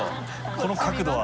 この角度は。